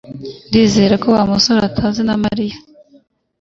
Ndizera ko Wa musore atazi na Mariya